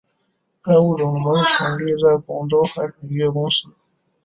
该物种的模式产地在广州海产渔业公司。